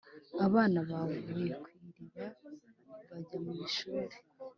- abana bavuye ku iriba bajya mu ishuri.